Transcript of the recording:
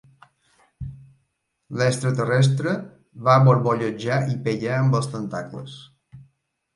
L'extraterrestre va borbollejar i pegar amb els tentacles.